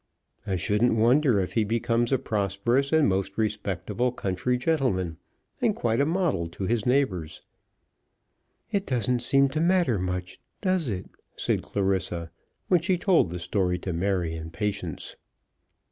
I shouldn't wonder if he becomes a prosperous and most respectable country gentleman, and quite a model to his neighbours." "It doesn't seem to matter much; does it?" said Clarissa, when she told the story to Mary and Patience.